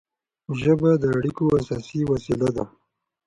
ژبه د اړیکو اساسي وسیله ده.